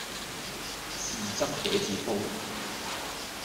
豉汁茄子煲